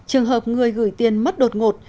trường hợp người gửi tiền mất đột ngột